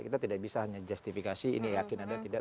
kita tidak bisa hanya justifikasi ini yakin ada tidak